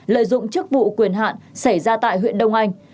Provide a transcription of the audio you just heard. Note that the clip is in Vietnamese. lợi dụng chức vụ quyền hạn xảy ra tại huyện đông anh